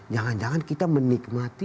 jangan jangan kita menikmati